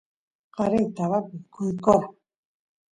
qari tabapi kuyukora